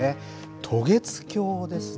渡月橋ですね。